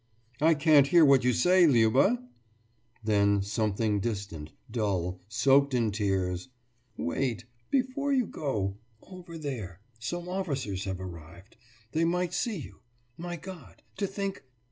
»I can't hear what you say, Liuba?« Then something distant, dull, soaked in tears: »Wait before you go ... over there ... some officers have arrived. They might see you ... My God to think...!